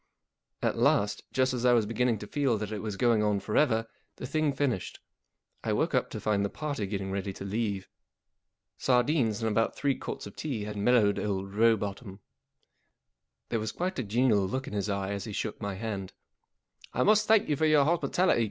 At last, just as I was beginning to feel that it was going on for ever, the thing finished. I woke up to find the party getting ready to leave. Sardines and about three quarts of tea had mellowed old Rowbotham. There was quite a genial look in his eye as he shook my hand. " I must thank you for your hospitality.